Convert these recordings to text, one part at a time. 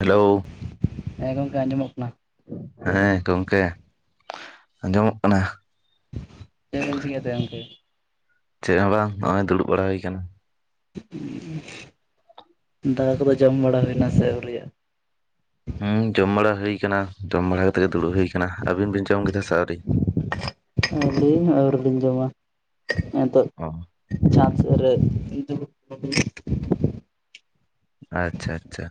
Hello. ᱦᱮᱸ ᱜᱚᱢᱠᱮ ᱟᱸᱡᱚᱢᱚᱜ ᱠᱟᱱᱟ᱾ ᱦᱮᱸ ᱜᱚᱝᱠᱮ ᱟᱸᱡᱚᱢᱚᱜ ᱠᱟᱱᱟ᱾ ᱪᱮᱫ ᱮᱢ ᱪᱤᱠᱟᱹᱭ ᱮᱫ ᱛᱟᱦᱮ ᱜᱚᱢᱠᱮ? ᱪᱮᱫ ᱦᱚᱸ ᱵᱟᱝ ᱱᱚᱜᱚᱭ ᱫᱩᱲᱩᱵ ᱵᱟᱲᱟ ᱦᱩᱭ ᱟᱠᱟᱱᱟ᱾ ᱫᱟᱠᱟ ᱠᱚᱫᱚ ᱡᱚᱢ ᱵᱟᱲᱟ ᱦᱩᱭᱱᱟ ᱱᱟ ᱥᱮ ᱟᱹᱣᱨᱤᱭᱟᱜ-ᱟ? ᱦᱮᱸ ᱡᱚᱢ ᱵᱟᱲᱟ ᱦᱩᱭ ᱟᱠᱟᱱᱟ ᱡᱚᱢ ᱵᱟᱲᱟ ᱠᱟᱛᱮᱜ ᱜᱮ ᱫᱩᱲᱩᱵ ᱦᱩᱭ ᱟᱠᱟᱱᱟ ᱾ ᱟᱵᱤᱱ ᱵᱤᱱ ᱡᱚᱢ ᱠᱮᱫᱟ ᱥᱮ ᱟᱹᱣᱨᱤ? ᱟᱹᱞᱤᱧ ᱟᱹᱣᱨᱤᱞᱤᱧ ᱡᱚᱢᱟ, ᱦᱤᱛᱚᱜ ᱚ ᱪᱷᱟᱫ ᱥᱮᱫ ᱨᱮ ᱫᱩᱲᱩᱵ ᱠᱟᱱᱟᱞᱤᱧ ᱾ ᱟᱪᱪᱷᱟ ᱟᱪᱪᱷᱟ᱾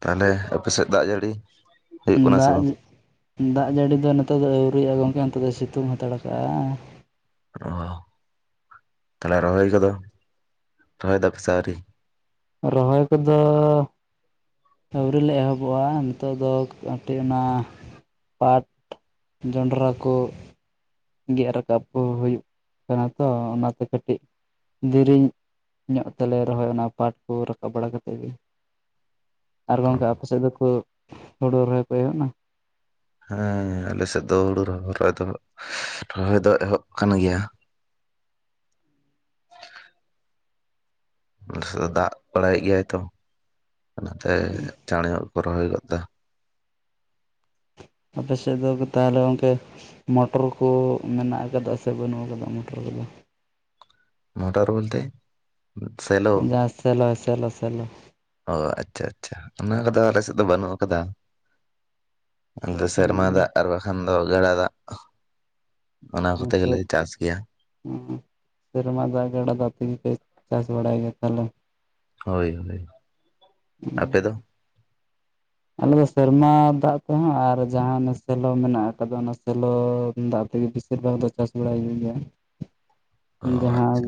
ᱛᱟᱦᱚᱞᱮ ᱟᱯᱮ ᱥᱮᱫ ᱫᱟᱜ ᱡᱟᱹᱲᱤ ᱦᱩᱭᱩᱜ ᱠᱟᱱᱟ ᱥᱮ ᱫᱟᱜ ᱵᱟᱝ ᱫᱟᱜ ᱡᱟᱹᱲᱤ ᱫᱚ ᱱᱚᱛᱮ ᱫᱚ ᱟᱹᱣᱨᱤᱭ-ᱟ ᱜᱚᱝᱠᱮ ᱱᱚᱛᱮ ᱫᱚ ᱥᱤᱛᱩᱝ ᱦᱟᱛᱟᱲ ᱠᱟᱜ-ᱟ᱾ ᱚ ᱛᱟᱦᱚᱞᱮ ᱨᱚᱦᱚᱭ ᱠᱚᱫᱚ ᱨᱚᱦᱚᱭ ᱫᱟᱯᱮ ᱥᱮ ᱟᱹᱣᱨᱤ? ᱨᱚᱦᱚᱭ ᱠᱚᱫᱚ ᱟᱹᱣᱨᱤ ᱞᱮ ᱮᱦᱚᱵᱚᱜ-ᱟ ᱱᱤᱛᱚᱜ ᱫᱚ ᱠᱟᱹᱴᱤᱡ ᱚᱱᱟ ᱯᱟᱴ ᱡᱚᱱᱰᱨᱟ ᱠᱚ ᱜᱮᱫ ᱨᱟᱠᱟᱵ ᱠᱚ ᱦᱩᱭᱩᱜ ᱠᱟᱱᱟ ᱛᱚ ᱚᱱᱟᱛᱮ ᱠᱟᱹᱴᱤᱡ ᱫᱷᱮᱨᱤᱧ ᱧᱚᱜ ᱛᱮᱞᱮ ᱨᱚᱦᱚᱭ ᱚᱱᱟ ᱯᱟᱴ ᱠᱚ ᱨᱟᱠᱟᱵ ᱵᱟᱲᱟ ᱠᱟᱛᱮᱫ ᱜᱮ᱾ ᱟᱨ ᱜᱚᱝᱠᱮ ᱟᱯᱮ ᱥᱮᱫ ᱫᱚᱠᱚ ᱦᱩᱲᱩ ᱨᱚᱦᱚᱭ ᱠᱚ ᱮᱦᱚᱵ ᱱᱟ? ᱦᱮᱸ ᱟᱞᱮ ᱥᱮᱫ ᱫᱚ ᱦᱩᱲᱩ ᱨᱚᱦᱚᱭ ᱫᱚ ᱨᱚᱦᱚᱭ ᱫᱚ ᱮᱦᱚᱵ ᱠᱟᱱ ᱜᱮᱭᱟ᱾ ᱟᱞᱮ ᱥᱮᱫ ᱫᱚ ᱫᱟᱜ ᱵᱟᱲᱟᱭᱮᱫ ᱜᱮᱭᱟᱭ ᱛᱚ ᱚᱱᱟᱛᱮ ᱪᱟᱸᱬᱮ ᱧᱚᱜ ᱜᱮᱠᱚ ᱨᱚᱦᱚᱭ ᱜᱚᱫᱟ᱾ ᱟᱯᱮ ᱥᱮᱫ ᱫᱚ ᱛᱟᱦᱚᱞᱮ ᱜᱚᱢᱠᱮ ᱢᱚᱴᱚᱨ ᱠᱚ ᱢᱮᱱᱟᱜ ᱟᱠᱟᱫᱟ ᱥᱮ ᱵᱟᱹᱱᱩᱜ ᱟᱠᱟᱫᱟ ᱢᱚᱴᱚᱨ ᱠᱚᱫᱚ? ᱢᱳᱴᱚᱨ ᱵᱚᱞᱛᱮ ᱥᱮᱞᱳ? ᱥᱮᱞᱳ ᱥᱮᱞᱳ ᱥᱮᱞᱳ᱾ ᱚ ᱟᱪᱪᱷᱟ ᱟᱪᱪᱷᱟ ᱚᱱᱟ ᱠᱚᱫᱚ ᱟᱞᱮ ᱥᱮᱫ ᱫᱚ ᱵᱟᱹᱱᱩᱜ ᱟᱠᱟᱫᱟ᱾ ᱟᱫᱚ ᱥᱮᱨᱢᱟ ᱫᱟᱜ ᱟᱵᱠᱷᱟᱱ ᱫᱚ ᱜᱟᱰᱟ ᱫᱟᱜ ᱚᱱᱟ ᱦᱩᱸ ᱠᱚᱛᱮ ᱥᱮ ᱜᱮᱞᱮ ᱪᱟᱥ ᱜᱮᱭᱟ᱾ ᱥᱮᱨᱢᱟ ᱫᱟᱜ ᱜᱟᱰᱟ ᱫᱟᱜ ᱛᱮᱜᱮᱯᱮ ᱪᱟᱥ ᱵᱟᱲᱟᱭ ᱜᱮᱭᱟ ᱛᱟᱦᱚᱞᱮ ᱾ ᱦᱳᱭ ᱦᱳᱭ ᱾ᱟᱯᱮ ᱫᱚ? ᱟᱞᱮ ᱫᱚ ᱥᱮᱨᱢᱟ ᱫᱟᱜ ᱛᱮᱦᱚᱸ ᱟᱨ ᱡᱟᱦᱟᱸ ᱥᱮᱞᱳ ᱢᱮᱱᱟᱜ ᱟᱠᱟᱫᱟ ᱚᱱᱟ ᱥᱮᱞᱳ ᱫᱟᱜ ᱛᱮᱜᱮ ᱵᱮᱥᱤ ᱵᱮᱥᱤ ᱫᱚ ᱪᱟᱥ ᱵᱟᱲᱟᱭ ᱦᱩᱭᱩᱜ ᱜᱮᱭᱟ᱾ ᱚ ᱡᱟᱦᱟᱸ ᱟᱪᱪᱷᱟ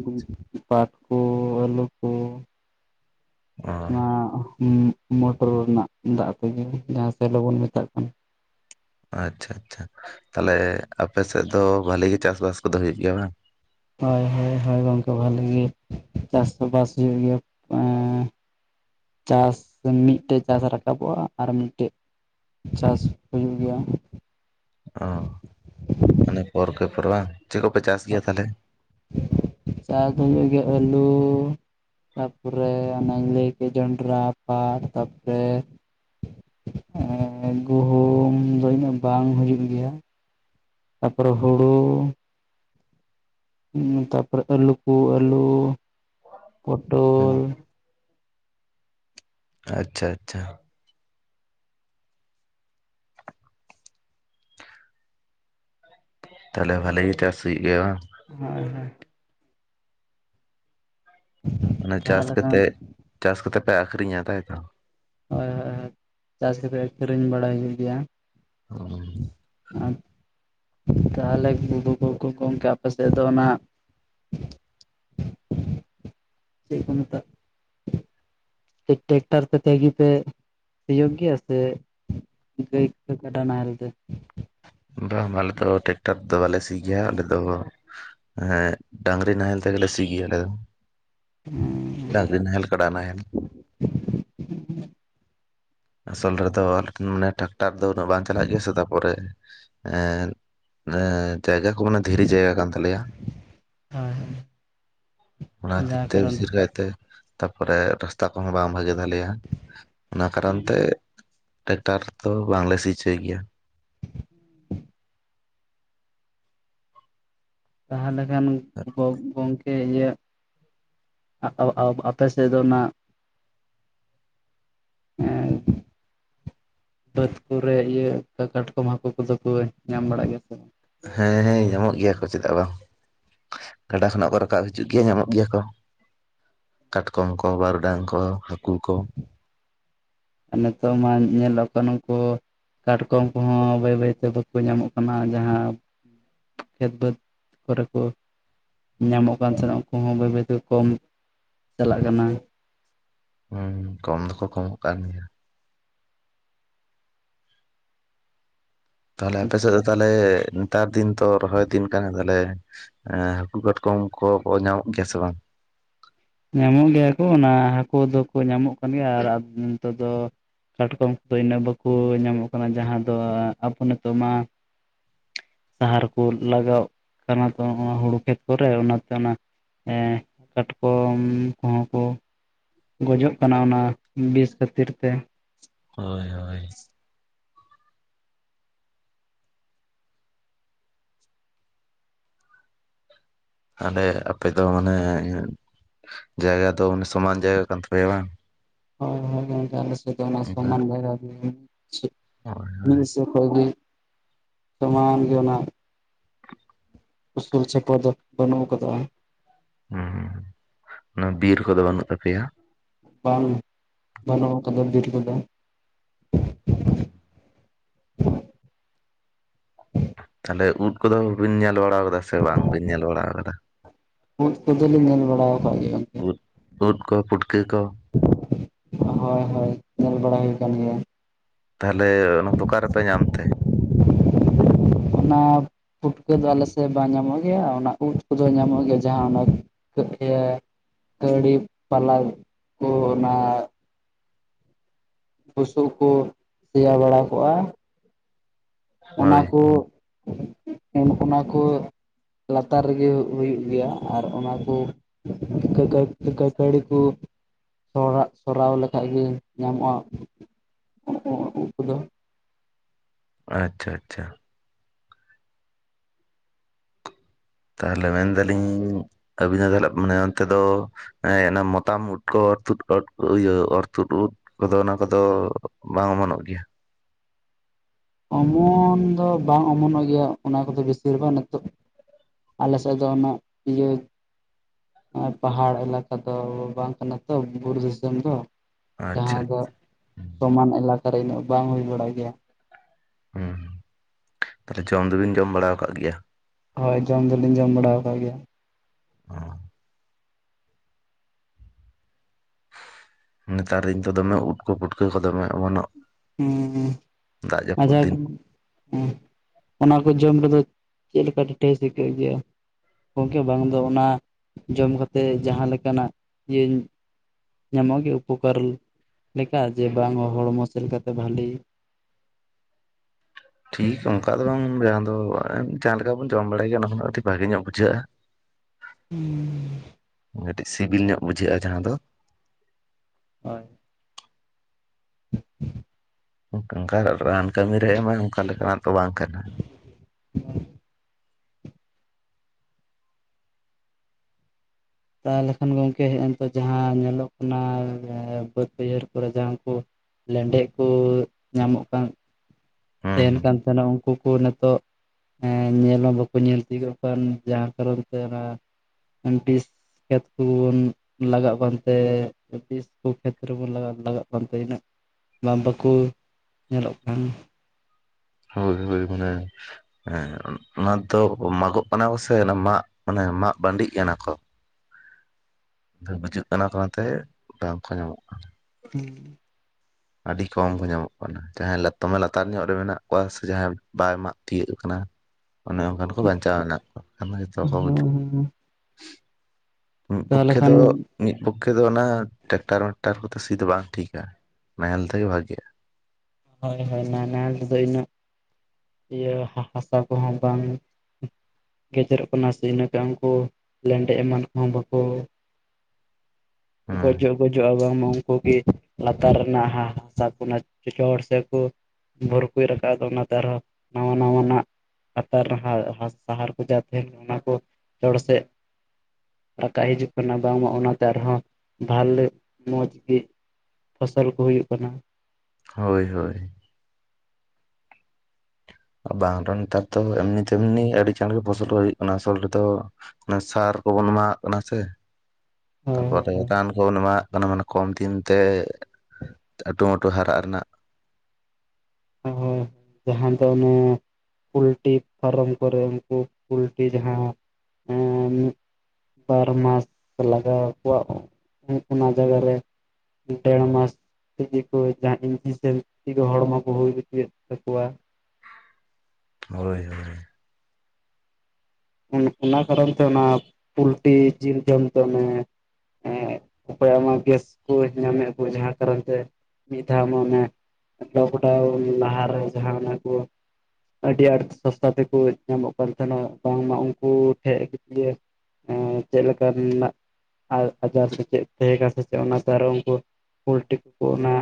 ᱯᱟᱴ ᱠᱩ ᱟᱹᱞᱩ ᱠᱚ ᱚ ᱚᱱᱟ ᱢᱚᱴᱚᱨ ᱨᱮᱱᱟᱜ ᱫᱟᱜ ᱛᱮᱜᱮ ᱡᱟᱦᱟᱸ ᱥᱮᱞᱳ ᱵᱚᱱ ᱢᱮᱛᱟᱜ ᱠᱟᱱ᱾ ᱟᱪᱪᱷᱟ ᱟᱪᱪᱷᱟ ᱛᱟᱦᱚᱞᱮ ᱟᱯᱮ ᱥᱮᱫ ᱫᱚ ᱵᱷᱟᱞᱤ ᱜᱮ ᱪᱟᱥᱵᱟᱥ ᱠᱚᱫᱚ ᱦᱩᱭᱩᱜ ᱜᱮᱭᱟ ᱵᱟᱝ? ᱦᱳᱭ ᱦᱳᱭ ᱦᱳᱭ ᱜᱚᱝᱠᱮ ᱵᱷᱷᱟᱞᱤ ᱜᱮ ᱪᱟᱥ ᱵᱟᱥ ᱦᱩᱭᱩᱜ ᱜᱮᱭᱟ᱾ ᱪᱟᱥ ᱫᱚ ᱢᱤᱫᱴᱮᱡ [unintelligible] ᱨᱟᱠᱟᱵᱚᱜᱼᱟ ᱟᱨ ᱢᱤᱫᱴᱮᱡ ᱪᱟᱥ ᱦᱩᱭᱩᱜ ᱜᱮᱭᱟ᱾ ᱚ, ᱢᱟᱱᱮ ᱯᱚᱨᱠᱮ ᱯᱚᱨ ᱵᱟᱝ, ᱪᱮᱫ ᱠᱚᱯᱮ ᱪᱟᱥ ᱜᱮᱭᱟ ᱛᱟᱦᱚᱞᱮ? ᱪᱟᱥ ᱫᱚ ᱦᱩᱭᱩᱜ ᱜᱮᱭᱟ ᱟᱹᱞᱩ ᱛᱟᱯᱚᱨᱮ ᱚᱱᱟ ᱞᱟᱹᱭ ‌ᱯᱮ ᱡᱚᱱᱰᱨᱟ [unintelligible] ᱛᱟᱯᱚᱨᱮ ᱮᱸ ᱜᱩᱦᱩᱢ ᱫᱚ ᱩᱱᱟᱹᱜ ᱵᱟᱝ ᱦᱩᱭᱩᱜ ᱜᱮᱭᱟ, ᱛᱟᱯᱚᱨᱮ ᱦᱩᱲᱩ, ᱛᱟᱯᱚᱨᱮ ᱟᱹᱞᱩ ᱠᱚ ᱟᱹᱞᱩ, ᱦᱩᱸ ᱯᱚᱴᱚᱞ᱾ ᱟᱪᱪᱷᱟ ᱟᱪᱪᱷᱟ᱾ ᱛᱟᱦᱚᱞᱮ ᱵᱷᱟᱞᱤ ᱜᱮ ᱪᱟᱥ ᱦᱩᱭᱩᱜ ᱜᱮᱭᱟ ᱵᱟᱝ? ᱦᱳᱭ ᱦᱳᱭ᱾ ᱚᱱᱟ ᱪᱟᱥ ᱛᱟᱦᱚᱞᱮ ᱠᱷᱟᱱ ᱠᱟᱛᱮᱜ, ᱪᱟᱥ ᱠᱟᱛᱮ ᱯᱮ ᱟᱠᱷᱨᱤᱧᱟ ᱛᱟᱭᱛᱚ? ᱦᱳᱭ ᱦᱳᱭ ᱦᱳᱭ, ᱪᱟᱥ ᱠᱟᱛᱮ ᱟᱹᱠᱷᱨᱤᱧ ᱵᱟᱲᱟ ᱦᱩᱭᱩᱜ ᱜᱮᱭᱟ᱾ [unintelligible] ᱛᱟᱦᱚᱞᱮ ᱜᱩᱰᱩ ᱠᱚᱠᱚ ᱜᱚᱝᱠᱮ ᱟᱯᱮ ᱥᱮᱫ ᱫᱚ ᱚᱱᱟ, ᱪᱮᱫ ᱠᱚ ᱢᱮᱛᱟᱜ, ᱪᱮᱜ ᱴᱮᱠᱴᱟᱨ ᱛᱮ ᱯᱮ ᱜᱮ ᱯᱮ ᱥᱩᱣᱳᱜᱽ ᱜᱮᱭᱟ ᱥᱮ, ᱜᱟᱹᱭ ᱠᱚ ᱜᱟᱰᱟ ᱱᱟᱦᱮᱞ ᱛᱮ? ᱵᱟᱝ ᱵᱟᱝ ᱟᱞᱮ ᱫᱚ ᱴᱮᱠᱴᱟᱨ ᱛᱮᱫᱚ ᱵᱟᱞᱮ ᱥᱤ ᱜᱮᱭᱟ ᱟᱞᱮ ᱫᱚ [unintelligible] ᱰᱟᱝᱨᱤ ᱱᱟᱦᱮᱞ ᱛᱮᱜᱮᱞᱮ ᱥᱤ ᱜᱮᱭᱟ ᱟᱞᱮ ᱫᱚ᱾ ᱰᱟᱝᱨᱤ ᱱᱟᱦᱮᱞ ᱠᱟᱰᱟ ᱱᱟᱦᱮᱞ᱾ [inaudible] ᱟᱥᱚᱞ ᱨᱮᱫᱚ ᱟᱞᱮ ᱴᱷᱮᱱ ᱢᱟᱱᱮ ᱴᱨᱟᱠᱴᱟᱨ ᱫᱚ ᱩᱱᱟᱹᱜ ᱵᱟᱝ ᱪᱟᱞᱟᱜ ᱜᱮᱭᱟ ᱥᱮ ᱛᱟᱨᱯᱚᱨᱮ ᱮᱸᱜ, [unintelligible] ᱡᱟᱭᱜᱟ ᱠᱚ ᱢᱟᱱᱮ ᱫᱷᱤᱨᱤ ᱡᱟᱭᱜᱟ ᱠᱟᱱ ᱛᱟᱞᱮᱭᱟ, ᱦᱳᱭ ᱦᱳᱭ ᱚᱱᱟ ᱠᱷᱟᱹᱛᱤᱨ ᱡᱟᱦᱟᱸ ᱛᱮ ᱠᱟᱨᱚᱱ ᱵᱤᱰᱤᱨ ᱠᱟᱭᱛᱮ ᱛᱟᱯᱚᱨᱮ ᱨᱟᱥᱛᱟ ᱠᱚᱦᱚᱸ ᱵᱟᱝ ᱵᱷᱟᱜᱮ ᱛᱟᱞᱮᱭᱟ᱾ ᱚᱱᱟ ᱠᱟᱨᱚᱱ ᱛᱮ, ᱴᱮᱠᱴᱟᱨ ᱫᱚ ᱵᱟᱝᱞᱮ ᱥᱤ ᱦᱚᱪᱚᱭ ᱜᱮᱭᱟ᱾ ᱛᱟᱦᱚᱞᱮ ᱠᱷᱟᱱ ᱜᱚ ᱜᱚᱝ ᱠᱮ ᱤᱭᱟᱹ, [unintelligible] ᱟᱯᱮ ᱥᱮᱫ ᱫᱚ ᱚᱱᱟ [inaudible] ᱵᱟᱹᱫᱽ ᱠᱚᱨᱮ ᱤᱭᱟᱹ ᱚᱝᱠᱟ ᱠᱟᱴᱠᱚᱢ ᱦᱟᱹᱠᱩ ᱠᱚᱫᱚ ᱠᱚ ᱧᱟᱢ ᱵᱟᱲᱟᱜ ᱜᱮᱭᱟ ᱥᱮ ᱵᱟᱝ? ᱦᱮᱸ ᱦᱮᱸ ᱧᱟᱢᱚᱜ ᱜᱮᱭᱟ ᱠᱚ ᱪᱮᱫᱟᱜ ᱵᱟᱝ᱾ ᱜᱟᱰᱟ ᱠᱷᱚᱱᱟᱜ ᱠᱚ ᱨᱟᱠᱟᱵ ᱦᱤᱡᱩᱜ ᱜᱮᱭᱟ ᱧᱟᱢᱚᱜ ᱜᱮᱭᱟ ᱠᱚ᱾ ᱠᱟᱴᱠᱚᱢ ᱠᱚ, ᱵᱟᱨᱩᱜᱰᱟᱝ ᱠᱚ, ᱦᱟᱹᱠᱩ ᱠᱚ, ᱟᱨ ᱱᱤᱛᱳᱜ ᱢᱟ ᱧᱮᱞᱚᱜ ᱠᱟᱱᱟ ᱩᱱᱠᱩ ᱠᱟᱴᱠᱚᱢ ᱠᱚᱦᱚᱸ ᱵᱟᱹᱭ ᱵᱟᱹᱭᱛᱮ ᱵᱟᱠᱚ ᱧᱟᱢᱚᱜ ᱠᱟᱱᱟ ᱡᱟᱦᱟᱸ ᱠᱷᱮᱛ ᱵᱟᱫᱽ ᱠᱚᱨᱮ ᱠᱚ ᱧᱟᱢᱚᱜ ᱠᱟᱱ ᱛᱟᱦᱮᱸᱱᱟ ᱩᱝᱠᱩ ᱦᱚᱸ ᱵᱟᱹᱭ ᱵᱟᱹᱭ ᱛᱮ ᱠᱚᱢ ᱪᱟᱞᱟᱜ ᱠᱟᱱᱟ᱾ ᱦᱩᱸ ᱦᱩᱸ ᱠᱚᱢ ᱫᱚᱠᱚ ᱠᱚᱢᱚᱜ ᱠᱟᱱ ᱜᱮᱭᱟ᱾ ᱛᱟᱦᱚᱞᱮ ᱟᱯᱮ ᱥᱮᱫ ᱫᱚ ᱛᱟᱦᱚᱞᱮ ᱱᱮᱛᱟᱨ ᱫᱤᱱ ᱛᱚ ᱨᱚᱦᱚᱭ ᱫᱤᱱ ᱠᱟᱱᱟ ᱛᱟᱦᱚᱞᱮ, ᱮᱸ ᱦᱟᱹᱠᱩ ᱠᱟᱴᱠᱚᱢ ᱠᱚᱠᱚ ᱧᱟᱢᱚᱜ ᱜᱮᱭᱟ ᱥᱮ ᱵᱟᱝ? ᱧᱟᱢᱚᱜ ᱜᱮᱭᱟ ᱠᱚ, ᱚᱱᱟ ᱦᱟᱹᱠᱩ ᱫᱚᱠᱚ ᱧᱟᱢᱚᱜ ᱠᱟᱱ ᱜᱮᱭᱟ ᱟᱨ ᱱᱤᱛᱚᱜ ᱫᱚ ᱠᱟᱴᱠᱚᱢ ᱠᱚᱫᱚ ᱤᱱᱟᱹᱜ ᱵᱟᱠᱚ ᱧᱟᱢᱚᱜ ᱠᱟᱱᱟ ᱡᱟᱦᱟᱸ ᱫᱚ ᱟᱵᱚ ᱱᱤᱛᱚᱜ ᱢᱟ ᱥᱟᱦᱟᱨ ᱠᱚ ᱞᱟᱜᱟᱣ ᱠᱟᱱᱟ ᱛᱚ ᱦᱚᱸᱜ ᱚᱱᱟ ᱦᱩᱲᱩ ᱠᱷᱮᱛ ᱠᱚᱨᱮ ᱚᱱᱟᱛᱮ ᱚᱱᱟ ᱮᱸᱻ ᱠᱟᱴᱠᱚᱢ ᱠᱚᱦᱚᱸ ᱠᱚ ᱜᱚᱡᱚᱜ ᱠᱟᱱᱟ ᱚᱱᱟ ᱵᱤᱥ ᱠᱷᱟᱹᱛᱤᱨ ᱛᱮ᱾ ᱦᱳᱭ ᱦᱳᱭ᱾ ᱦᱟᱰᱮ ᱟᱯᱮ ᱫᱚ ᱢᱟᱱᱮ ᱮᱸ ᱡᱟᱭᱜᱟ ᱫᱚ ᱥᱚᱢᱟᱱ ᱡᱟᱭᱜᱟ ᱠᱟᱱ ᱛᱟᱯᱮᱭᱟ ᱵᱟᱝ? ᱦᱳᱭ ᱦᱳᱭ ᱟᱞᱮ ᱥᱮᱫ ᱫᱚ ᱚᱱᱠᱟ ᱥᱚᱢᱟᱱ ᱡᱟᱭᱜᱟ ᱜᱮ ᱦᱳᱭ ᱦᱳᱭ [unintelligible] [unintelligible] ᱥᱚᱢᱟᱱ ᱜᱮ ᱚᱱᱟ ᱩᱥᱩᱞ ᱪᱮᱯᱚ ᱫᱚ ᱵᱟᱹᱱᱩᱜ ᱟᱠᱟᱫᱟ᱾ ᱦᱩᱸ ᱦᱩᱸ ᱵᱤᱨ ᱠᱚᱫᱚ ᱵᱟᱹᱱᱩᱜ ᱛᱟᱯᱮᱭᱟ? ᱵᱟᱝ ᱵᱟᱹᱱᱩᱜ ᱟᱠᱟᱫᱟ ᱵᱤᱨ ᱠᱚᱫᱚ᱾ ᱛᱟᱦᱚᱞᱮ ᱩᱫ ᱠᱚᱫᱚ ᱵᱤᱱ ᱧᱮᱞ ᱵᱟᱲᱟ ᱠᱟᱫᱟ ᱥᱮ ᱵᱟᱝᱵᱤᱱ ᱧᱮᱞ ᱵᱟᱲᱟ ᱠᱟᱫᱟ? ᱩᱫ ᱠᱚᱫᱚᱞᱮ ᱧᱮᱞ ᱵᱟᱲᱟ ᱟᱠᱟᱫ ᱜᱮᱭᱟ᱾ ᱩᱫ ᱩᱫ ᱠᱚ ᱯᱩᱴᱠᱟᱹ ᱠᱚ᱾ ᱦᱳᱭ ᱦᱳᱭ ᱧᱮᱞ ᱵᱟᱲᱟ ᱦᱩᱭ ᱠᱟᱱ ᱜᱮᱭᱟ᱾ ᱛᱟᱦᱚᱞᱮ ᱚᱱᱟ ᱫᱚ ᱚᱠᱟᱱ ᱨᱮᱯᱮ ᱧᱟᱢ ᱛᱮ? ᱚᱱᱟ ᱯᱷᱩᱴᱠᱟᱹ ᱫᱚ ᱟᱞᱮᱥᱮᱫ ᱵᱟᱝ ᱧᱟᱢᱚᱜ ᱜᱮᱭᱟ ᱚᱱᱟ ᱩᱫ ᱠᱚᱫᱚ ᱧᱟᱢᱚᱜ ᱜᱮᱭᱟ ᱡᱟᱦᱟᱸ ᱚᱱᱟ [unintelligible] ᱯᱟᱞᱟᱣ ᱠᱚ ᱚᱱᱟ ᱵᱩᱥᱩᱵ ᱠᱚ ᱥᱮᱭᱟ ᱵᱟᱲᱟ ᱠᱚᱜᱼᱟ᱾ ᱚᱱᱟ ᱦᱳᱭ ᱠᱚ ᱚᱱᱟ ᱠᱚ ᱞᱟᱛᱟᱨ ᱨᱮᱜᱮ ᱦᱩᱭᱩᱜ ᱜᱮᱭᱟ ᱟᱨ ᱚᱱᱟ ᱠᱚ [unintelligible] ᱠᱚ ᱾ ᱛᱚᱨᱟᱜ ᱥᱚᱨᱦᱟᱣ ᱞᱮᱠᱷᱟᱡ ᱜᱮ ᱧᱟᱢᱚᱜᱼᱟ [unintelligible] ᱠᱚᱫᱚ ᱾ ᱟᱪᱪᱷᱟ ᱟᱪᱪᱷᱟ᱾ ᱛᱟᱞᱦᱮ ᱢᱮᱱ ᱫᱟᱹᱞᱤᱧ ᱟᱹᱵᱤ ᱫᱚ ᱛᱟᱞᱮᱜ ᱢᱟᱱᱮ ᱚᱱᱛᱮ ᱫᱚ ᱮᱸ ᱮᱱᱟ ᱢᱚᱛᱟᱢ ᱩᱫ ᱠᱚ ᱚᱨᱛᱩᱫ ᱛᱩᱫ ᱩᱫ ᱨᱩᱟᱹᱲ ᱚᱨᱛᱩᱫ ᱩᱫ᱾ ᱠᱚᱫᱚ ᱚᱱᱟ ᱠᱚᱫᱚ ᱵᱟᱝ ᱚᱢᱚᱱᱚᱜ ᱜᱤᱭᱟ? ᱚᱢᱚᱱ ᱫᱚ ᱵᱟᱝ ᱚᱢᱚᱱᱚᱜ ᱜᱮᱭᱟ ᱚᱱᱟ ᱠᱚᱫᱚ ᱵᱤᱥᱤᱨ ᱵᱷᱟᱜᱽ ᱱᱤᱛᱚᱜ ᱟᱞᱮ ᱥᱮᱜ ᱫᱚ ᱚᱱᱟ ᱤᱭᱟᱹ ᱦᱚᱜᱼᱚᱭ ᱯᱟᱦᱟᱲ ᱮᱞᱟᱠᱟ ᱫᱚ ᱵᱟᱝ ᱠᱟᱱᱟ ᱛᱚ ᱵᱩᱨᱩ ᱫᱤᱥᱚᱢ ᱫᱚ᱾ ᱟᱪᱪᱷᱟ ᱡᱟᱦᱟᱸ ᱫᱚ ᱥᱚᱢᱟᱱ ᱮᱞᱟᱠᱟ ᱨᱮ ᱩᱱᱟᱹᱜ ᱵᱟᱝ ᱦᱩᱭ ᱵᱟᱲᱟᱭ ᱜᱮᱭᱟ᱾ ᱦᱩᱸ ᱛᱟᱞᱦᱮ ᱡᱚᱢ ᱫᱚ ᱵᱤᱱ ᱡᱚᱢ ᱵᱟᱲᱟᱣ ᱟᱠᱟᱜ ᱜᱮᱭᱟ? ᱦᱳᱭ ᱡᱚᱢ ᱫᱚᱞᱤᱧ ᱡᱚᱢ ᱵᱟᱲᱟᱣ ᱟᱠᱟᱜ ᱜᱮᱭᱟ᱾ ᱚ ᱱᱮᱛᱟ ᱨᱤᱧ ᱫᱚ ᱫᱚᱢᱮ ᱩᱫᱽ ᱠᱚ ᱯᱩᱴᱠᱟᱹ ᱠᱚ ᱫᱚᱢᱮ ᱚᱢᱚᱱᱚᱜ ᱦᱩᱸ ᱦᱩᱸ ᱫᱟᱜ ᱡᱟᱹᱯᱩᱫ ᱟᱪᱷᱟ ᱫᱤᱱ ᱦᱮ ᱚᱱᱟ ᱠᱚ ᱡᱚᱢ ᱨᱮᱫᱚ ᱪᱮᱜ ᱞᱮᱠᱟ ᱛᱮ ᱴᱮᱥ ᱟᱭᱠᱟᱹᱜ ᱜᱮᱭᱟ? ᱜᱚᱝᱠᱮ ᱵᱟᱝ ᱫᱚ ᱚᱱᱟ ᱡᱚᱢ ᱠᱟᱛᱮᱜ ᱡᱟᱦᱟᱸ ᱞᱮᱠᱟᱱᱟᱜ ᱤᱭᱟᱹᱧ ᱧᱟᱢᱚᱜ ᱜᱮ ᱩᱯᱚᱠᱟᱨ ᱞᱮᱠᱟ ᱡᱮ ᱵᱟᱝ ᱦᱚᱲᱢᱚ ᱥᱮᱜ ᱞᱮᱠᱟ ᱛᱮ ᱵᱷᱟᱞᱤ? ᱴᱷᱤᱠ ᱚᱝᱠᱟ ᱫᱚ ᱵᱟᱝ ᱡᱟᱦᱟᱸ ᱫᱚ ᱡᱟᱦᱟᱸ ᱞᱮᱠᱟ ᱵᱚᱱ ᱡᱚᱢ ᱵᱟᱲᱟᱭ ᱜᱮᱭᱟ ᱚᱱᱟ ᱠᱷᱚᱱᱟᱜ ᱴᱷᱤᱠ ᱵᱷᱟᱜᱤ ᱧᱚᱜ ᱵᱩᱡᱷᱟᱹᱜᱼᱟ᱾ ᱦᱩᱸᱻ᱾ ᱢᱤᱫᱴᱮᱡ ᱥᱤᱵᱤᱞ ᱧᱚᱜ ᱵᱩᱡᱷᱟᱹᱜᱼᱟ ᱡᱟᱦᱟᱸ ᱫᱚ᱾ ᱦᱳᱭ᱾ ᱚᱝᱠᱟ ᱨᱟᱱ ᱠᱟᱹᱢᱤ ᱨᱮ ᱮᱢᱟ ᱚᱝᱠᱟ ᱞᱮᱠᱟᱱᱟᱜ ᱫᱚ ᱵᱟᱝ ᱠᱟᱱᱟ᱾ ᱛᱟᱞᱦᱮ ᱠᱷᱟᱱ ᱜᱚᱝᱠᱮ ᱦᱮᱸᱜ-ᱮ ᱱᱤᱛᱚᱜ ᱡᱟᱦᱟᱸ ᱧᱮᱞᱚᱜ ᱠᱟᱱᱟ ᱵᱟᱹᱫ ᱵᱟᱹᱭᱦᱟᱹᱲ ᱠᱚᱨᱮ ᱡᱟᱦᱟᱸ ᱠᱚ ᱞᱮᱸᱰᱮᱜ ᱠᱚ ᱧᱟᱢᱚᱜ ᱠᱟᱱ᱾ ᱦᱩᱸ ᱛᱮᱸᱦᱮᱱ ᱦᱩᱸ ᱠᱟᱱ ᱛᱟᱦᱮᱱᱚᱜ ᱩᱱᱠᱩ ᱠᱚ ᱱᱤᱛᱚᱜ ᱦᱮᱸ ᱧᱮᱞ ᱦᱚᱸ ᱵᱟᱠᱚ ᱧᱮᱞ ᱛᱤᱭᱟᱜᱚᱜ ᱠᱟᱱ ᱡᱟᱦᱟᱸ ᱠᱟᱨᱚᱱ ᱛᱮ ᱚᱱ ᱛᱤᱥ᱾ ᱠᱷᱮᱛ ᱠᱚ ᱵᱚᱱ ᱞᱟᱜᱟᱜ ᱠᱟᱱᱛᱮ ᱛᱤᱥ ᱠᱚ ᱠᱷᱮᱛ ᱠᱚᱨᱮ ᱵᱚᱱ ᱞᱟᱜᱟᱜ ᱠᱟᱱᱛᱮ ᱤᱱᱟᱹᱜ ᱵᱟᱝ ᱵᱟᱠᱚ ᱧᱮᱞᱚᱜ ᱠᱟᱱ ᱾ ᱦᱳᱭ ᱦᱳᱭ ᱢᱟᱱᱮ ᱦᱮᱸ ᱚᱱᱟ ᱫᱚ ᱢᱟᱜᱚᱜ ᱠᱟᱱᱟ ᱠᱚ ᱥᱮ ᱢᱟᱜ ᱢᱟᱱᱮ ᱢᱟᱜ ᱵᱟᱸᱰᱤᱜ ᱠᱟᱱᱟ ᱠᱚ ᱾ ᱵᱩᱡᱷᱟᱹᱜ ᱠᱟᱱᱟ ᱠᱚ ᱚᱱᱟ ᱛᱮ ᱵᱟᱝ ᱠᱚ ᱧᱟᱢᱚᱜ ᱠᱟᱱᱟ ᱾ ᱦᱩᱸ ᱾ ᱟᱹᱰᱤ ᱠᱚᱢ ᱠᱚ ᱧᱟᱢᱚᱜ ᱠᱟᱱᱟ, ᱡᱟᱦᱟᱸᱭ ᱞᱟᱛ ᱫᱚᱢᱮ ᱞᱟᱛᱟᱨ ᱧᱚᱜ ᱨᱮ ᱢᱮᱱᱟᱜ ᱠᱚᱣᱟ ᱥᱮ ᱡᱟᱦᱟᱸᱭ ᱵᱟᱭ ᱢᱟᱜ ᱛᱤᱭᱟᱹᱜᱚᱜ ᱠᱟᱱᱟ ᱾ ᱚᱱᱮ ᱚᱱᱠᱟᱱ ᱠᱚ ᱵᱟᱧᱪᱟᱣ ᱢᱮᱱᱟᱜ ᱠᱚ ᱵᱟᱠᱷᱟᱱ ᱦᱚᱭᱛᱚ ᱠᱚ ᱜᱩᱡᱩᱜ ᱦᱩᱸ ᱢᱤᱫ ᱛᱟᱦᱚᱞᱮ ᱯᱚᱠᱠᱷᱮ ᱫᱚ ᱠᱷᱟᱱ ᱢᱤᱫ ᱯᱚᱠᱠᱷᱮ ᱫᱚ ᱚᱱᱟ ᱴᱮᱠᱴᱟᱨᱠ ᱢᱮᱠᱴᱟᱨ ᱠᱚᱛᱮ ᱥᱤ ᱫᱚ ᱵᱟᱝ ᱴᱷᱤᱠᱟ, ᱱᱟᱦᱮᱞ ᱛᱮᱜᱮ ᱵᱷᱟᱜᱤᱭᱟ ᱾ ᱦᱳᱭ ᱦᱳᱭ ᱱᱟ-ᱱᱟᱦᱮᱞ ᱛᱤᱫᱚ ᱤᱱᱟᱹᱜ ᱤᱭᱟᱹ ᱦᱟ-ᱦᱟᱥᱟ ᱠᱚᱦᱚᱸ ᱵᱟᱝ ᱜᱮᱡᱮᱨᱚᱜ ᱠᱟᱱᱟ ᱥᱮ ᱤᱱᱟᱹ ᱠᱷᱟᱜ ᱩᱝᱠᱩ ᱞᱮᱸᱰᱮᱜ ᱮᱢᱟᱱ ᱠᱚᱦᱚᱸ ᱵᱟᱠᱚ ᱦᱩᱸ ᱜᱚᱡᱚᱜ ᱜᱚᱡᱚᱜᱼᱟ ᱵᱟᱝ ᱵᱟᱝ ᱠᱩᱜᱤ ᱞᱟᱛᱟᱨ ᱨᱮᱱᱟᱜ ᱦᱟ-ᱦᱟᱥᱟ ᱠᱚ ᱚᱱᱟ ᱪᱚ-ᱪᱚᱴ ᱥᱮᱠᱚ ᱵᱷᱳᱨ ᱠᱚᱭ ᱨᱟᱠᱟᱵ ᱫᱟ ᱚᱱᱟ ᱛᱮ ᱟᱨᱦᱚᱸ ᱱᱟᱣᱟ ᱱᱟᱣᱟᱱᱟᱜ ᱞᱟᱛᱟᱨ ᱦᱟ-ᱦᱟ ᱥᱟᱦᱟᱨ ᱠᱚ ᱡᱟ ᱛᱟᱦᱮᱱ ᱠᱟᱱᱟ ᱚᱱᱟ ᱠᱚ ᱪᱚᱲ ᱥᱮᱜ ᱨᱟᱠᱟᱜ ᱦᱤᱡᱩᱜ ᱠᱟᱱᱟ ᱵᱟᱝ ᱢᱟ ᱚᱱᱟ ᱛᱮ ᱟᱨᱦᱚᱸ ᱵᱷᱟᱞᱞᱮ ᱢᱚᱸᱡᱽ ᱜᱤ ᱯᱷᱚᱥᱚᱞ ᱠᱚ ᱦᱩᱭᱩᱜ ᱠᱟᱱᱟ᱾ ᱦᱳᱭ, ᱦᱳᱭ ᱾ ᱵᱟᱝ ᱨᱮ ᱱᱮᱛᱟᱨ ᱫᱚ ᱮᱢᱱᱤ ᱛᱮᱢᱱᱤ ᱟᱹᱰᱤ ᱪᱟᱸᱬ ᱜᱤ ᱯᱷᱚᱥᱚᱞ ᱠᱚ ᱦᱩᱭᱩᱜ ᱠᱟᱱᱟ ᱟᱥᱚᱞ ᱨᱮᱫᱚ ᱚᱱᱮ ᱥᱟᱨ ᱠᱚ ᱵᱚᱱ ᱮᱢᱟᱜ ᱠᱟᱱᱟ ᱥᱮ, ᱦᱳᱭ ᱛᱟᱯᱚᱨᱮ ᱦᱳᱭ ᱨᱟᱱ ᱠᱚ ᱵᱚᱱ ᱮᱢᱟᱣᱟᱜ ᱠᱟᱱᱟ ᱢᱟᱱᱮ ᱠᱚᱢ ᱫᱤᱱ ᱛᱮ ᱟ. ᱴᱩᱢᱟᱹᱴᱩ ᱦᱟᱨᱟᱜ ᱨᱮᱱᱟᱜ ᱾ ᱦᱳᱭ, ᱡᱟᱦᱟᱸ ᱫᱚ ᱚᱱᱮ ᱯᱩᱞᱴᱤ ᱯᱷᱟᱨᱚᱢ ᱠᱚᱨᱮ ᱩᱱᱠᱩ ᱯᱩᱞᱴᱤ ᱡᱟᱦᱟᱸ ᱮᱸᱻ ᱵᱟᱨ ᱢᱟᱥ ᱞᱟᱜᱟᱣ ᱟᱠᱚᱣᱟ ᱩᱱ ᱚᱱᱟ ᱡᱟᱜᱟ ᱨᱮ ᱰᱮᱲ ᱢᱟᱥ ᱛᱮᱜᱤ ᱠᱩ ᱡᱟᱸᱦᱟ ᱤᱧᱡᱤᱥᱮᱱ ᱛᱤ ᱫᱚ ᱦᱚᱲᱢᱚ ᱠᱩ ᱦᱩᱭ ᱦᱚᱪᱚᱭᱮᱫ ᱛᱟᱠᱚᱣᱟ᱾ ᱦᱳᱭ, ᱦᱳᱭ ᱾ ᱚᱱ-ᱚᱱᱟ ᱠᱟᱨᱚᱱ ᱛᱮ ᱚᱱᱟ ᱯᱩᱞᱴᱤ ᱡᱤᱞ ᱡᱚᱢ ᱫᱚ ᱚᱱᱮ ᱮᱸᱜ ᱚᱠᱚᱭᱟᱜ ᱢᱟ ᱜᱮᱥ ᱦᱩᱭ ᱧᱟᱢᱮᱜ ᱠᱩ ᱡᱟᱦᱟᱸ ᱠᱟᱨᱚᱱ ᱛᱮ ᱢᱤᱫ ᱫᱷᱟᱣ ᱢᱚ ᱚᱱᱮᱜ ᱞᱚᱠᱰᱟᱣᱩᱱ ᱞᱟᱦᱟᱨᱮ ᱡᱟᱦᱟᱸ ᱚᱱᱟ ᱠᱚ ᱟᱹᱰᱤ ᱟᱸᱴ ᱥᱚᱥᱛᱟ ᱛᱮᱠᱩᱡ ᱧᱟᱢᱚᱜ ᱠᱟᱱ ᱛᱟᱦᱮᱱᱟ᱾ ᱵᱟᱝᱢᱟ ᱩᱱᱠᱩ ᱴᱷᱮᱡ ᱜᱮ ᱮᱸ ᱪᱮᱫ ᱞᱮᱠᱟ ᱱᱟᱜ ᱟᱨ ᱟᱡᱟᱨ ᱥᱮ ᱪᱮᱫ ᱛᱮᱦᱮᱸ ᱠᱟᱱ ᱥᱮᱪᱮᱜ ᱚᱱᱟ ᱛᱮ ᱟᱨᱚ ᱩᱝᱠᱩ ᱯᱩᱞᱴᱤ ᱠᱩ ᱚᱱᱟ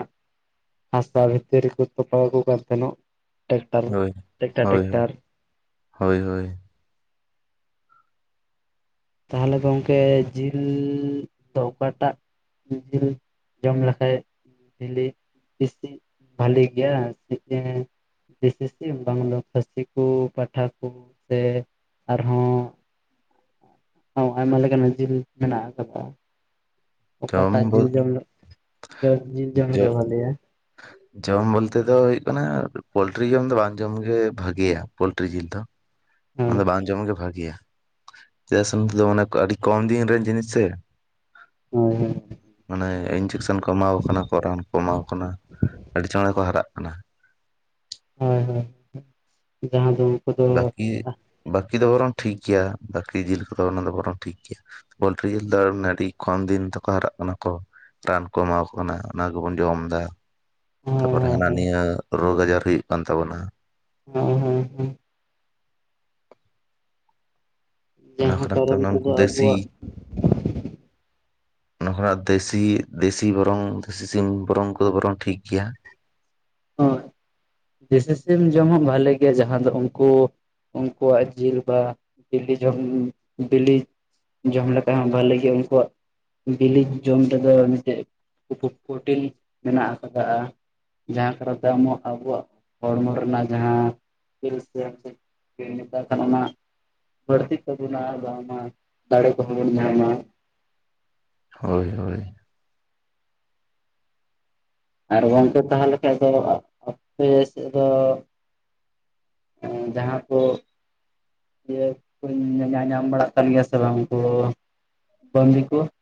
ᱦᱟᱥᱟ ᱵᱷᱤᱛᱤᱨ ᱨᱮ ᱠᱩ ᱛᱚᱯᱟᱣ ᱠᱩ ᱠᱟᱱ ᱛᱟᱦᱮᱱᱚᱜ ᱾ ᱦᱳᱭ, ᱦᱳᱭ, ᱦᱳᱭ, ᱦᱳᱭ ᱾ ᱛᱟᱦᱮᱞᱮ ᱜᱚᱝᱠᱮ ᱡᱤᱞᱻ ᱫᱚ ᱚᱠᱟ ᱴᱟᱜ ᱡᱤᱞ ᱡᱚᱢ ᱞᱮᱠᱷᱟᱡ ᱪᱤᱞᱤ ᱵᱤᱥᱤ ᱵᱷᱟᱞᱤ ᱜᱮᱭᱟ ᱥᱮᱪᱮ ᱫᱤᱥᱤ ᱥᱤᱢ ᱵᱟᱝ ᱫᱚ ᱠᱷᱟᱹᱥᱤ ᱠᱩ ᱯᱟᱴᱷᱟ ᱠᱩ ᱥᱮ ᱟᱨᱦᱚᱸ ᱦᱚᱸ ᱟᱭᱢᱟ ᱞᱮᱠᱟᱱᱟᱜ ᱡᱤᱞ ᱢᱮᱱᱟᱜ ᱟᱠᱟᱫᱟ᱾ ᱚᱠᱟ ᱡᱚᱢ ᱴᱟᱜ ᱡᱤᱞ ᱵᱚᱞ ᱡᱚᱢ ᱞᱮ ᱡᱚ ᱡᱤᱞ ᱡᱚᱢ ᱡᱚ ᱞᱮᱠᱷᱟᱜ ᱵᱷᱟᱞᱤᱭᱟ? ᱡᱚᱢ ᱵᱚᱞᱛᱮ ᱫᱚ ᱦᱩᱭᱩᱜ ᱠᱟᱱᱟ ᱯᱳᱞᱴᱨᱤ ᱡᱚᱢ ᱫᱚ ᱵᱟᱝ ᱡᱚᱢ ᱜᱮ ᱵᱷᱟᱜᱮᱭᱟ ᱯᱳᱞᱴᱨᱤ ᱡᱤᱞ ᱫᱚ᱾ ᱦᱳᱭ ᱚᱱᱟ ᱫᱚ ᱵᱟᱝ ᱡᱚᱢ ᱜᱤ ᱵᱷᱟᱹᱜᱤᱭᱟ ᱪᱮᱫᱟᱜ ᱥᱮ ᱱᱚᱛᱮ ᱫᱚ ᱢᱟᱱᱮ ᱟᱹᱰᱤ ᱠᱚᱢ ᱫᱤᱱ ᱨᱮᱱ ᱡᱤᱱᱤᱥ ᱥᱮ᱾ ᱦᱩᱸ ᱦᱩᱸ ᱢᱟᱱᱮ ᱤᱱᱡᱮᱠᱥᱮᱱ ᱠᱚ ᱮᱢᱟᱣ ᱠᱚ ᱠᱟᱱᱟ ᱨᱟᱱ ᱠᱚ ᱮᱢᱟᱣ ᱠᱟᱱᱟ ᱟᱹᱰᱤ ᱪᱚᱸᱬᱮ ᱠᱚ ᱦᱟᱨᱟᱜ ᱠᱟᱱᱟ᱾ ᱦᱩᱸ ᱦᱩᱸ ᱡᱟᱦᱟᱸ ᱫᱚ ᱫᱚ ᱵᱟᱹᱠᱤ ᱵᱟᱹᱠᱤ ᱫᱚ ᱵᱚᱨᱚᱝ ᱴᱷᱤᱠ ᱜᱮᱭᱟ ᱵᱟᱹᱠᱤ ᱡᱤᱞ ᱠᱚᱫᱚ ᱚᱱᱟ ᱫᱚ ᱵᱚᱨᱚᱝ ᱴᱷᱤᱠ ᱜᱮᱭᱟ᱾ ᱯᱳᱞᱴᱨᱤ ᱡᱤᱞ ᱫᱚ ᱟᱱᱮ ᱟᱹᱰᱤ ᱠᱚᱢ ᱫᱤᱱ ᱛᱮᱠᱚ ᱦᱟᱨᱟᱜ ᱠᱟᱱᱟ ᱠᱚ᱾ ᱨᱟᱱ ᱠᱚ ᱮᱢᱟᱣ ᱠᱚ ᱠᱟᱱᱟ ᱚᱱᱟ ᱜᱮ ᱵᱚᱱ ᱡᱚᱢ ᱫᱟ᱾ ᱦᱳᱭ ᱛᱟᱯᱚᱨᱮ ᱦᱳᱭ ᱦᱟᱱᱟ ᱱᱤᱭᱟᱹ ᱨᱳᱜᱽ ᱟᱡᱟᱨ ᱦᱩᱭᱩᱜ ᱠᱟᱱ ᱛᱟᱵᱚᱱᱟ᱾ ᱦᱩᱸ ᱦᱩᱸ ᱚᱱᱟ ᱡᱟᱦᱟᱸ ᱠᱷᱚᱱᱟᱜ ᱫᱚ ᱠᱟᱨᱚᱱ ᱱᱩᱠᱩ ᱛᱮᱫᱚ ᱫᱮᱥᱤ ᱟᱵᱚᱣᱟᱜ ᱚᱱᱟ ᱠᱷᱚᱱᱟᱜ ᱫᱮᱥᱤ ᱫᱮᱥᱤ ᱵᱚᱨᱚᱝ ᱫᱮᱥᱤ ᱥᱤᱢ ᱵᱚᱨᱚᱝ ᱩᱱᱠᱩ ᱫᱚ ᱵᱚᱨᱚᱝ ᱴᱷᱤᱠ ᱜᱮᱭᱟ᱾ ᱦᱚᱭ ᱫᱮᱥᱤ ᱥᱤᱢ ᱡᱚᱢ ᱦᱚᱸ ᱵᱷᱟᱞᱮ ᱜᱮᱭᱟ ᱡᱟᱦᱟᱸ ᱫᱚ ᱩᱝᱠᱩ ᱩᱱᱠᱩᱣᱟᱜ ᱡᱤᱞ ᱵᱟ ᱵᱤᱞᱤ ᱡᱚᱢ ᱵᱤᱞᱤ ᱡᱚᱢ ᱞᱮᱠᱷᱟᱡ ᱵᱷᱟᱹᱞᱤ ᱜᱤ ᱩᱱᱠᱩᱣᱟᱜ [unintelligible] ᱡᱟᱦᱟᱸ ᱠᱚᱨᱮ [unintelligible] ᱟᱵᱚᱣᱟᱜ ᱦᱚᱲᱢᱚ ᱨᱮᱱᱟᱜ ᱡᱟᱦᱟᱸ ᱤᱞ [unintelligible] [unintelligible] ᱦᱳᱭ ᱦᱳᱭ [unintelligible] ᱮᱜᱸ ᱡᱟᱦᱟᱸ ᱠᱩ [unintelligible]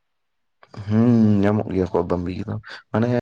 ᱦᱩᱸᱸᱸ ᱧᱟᱢᱚᱜ ᱜᱮᱭᱟ ᱠᱚ ᱵᱟᱸᱵᱤ ᱠᱚᱫᱚ ᱢᱟᱱᱮ